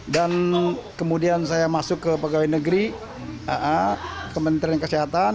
dan kemudian saya masuk ke pegawai negeri ke menteri kesehatan